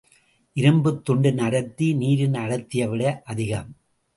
இரும்புத்துண்டின் அடர்த்தி நீரின் அடர்த்தியை விட அதிகம்.